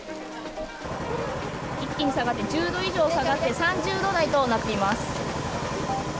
一気に下がって、１０度以上下がって、３０度台となっています。